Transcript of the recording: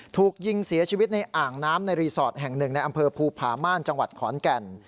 ถูกยิงเสียชีวิตในอ่างน้ำในรีสอร์ทแห่งหนึ่งในอำเภอภูผาม่านจังหวัดขอนแก่น